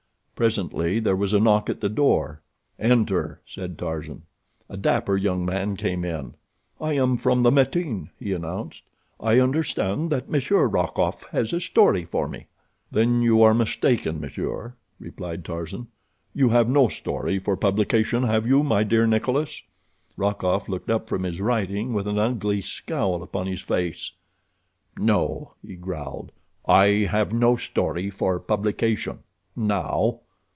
Presently there was a knock at the door. "Enter," said Tarzan. A dapper young man came in. "I am from the Matin," he announced. "I understand that Monsieur Rokoff has a story for me." "Then you are mistaken, monsieur," replied Tarzan. "You have no story for publication, have you, my dear Nikolas." Rokoff looked up from his writing with an ugly scowl upon his face. "No," he growled, "I have no story for publication—now."